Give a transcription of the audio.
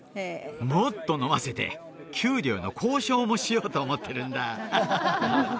もっと飲ませて給料の交渉もしようと思ってるんだ